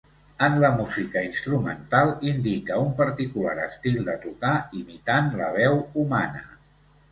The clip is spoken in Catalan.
En la música instrumental, indica un particular estil de tocar imitant la veu humana.